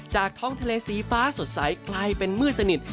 ท้องทะเลสีฟ้าสดใสกลายเป็นมืดสนิท